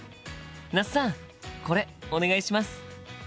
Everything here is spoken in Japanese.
那須さんこれお願いします！